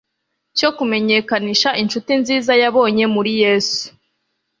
cyo kumenyekanisha inshuti nziza yabonye muri Yesu.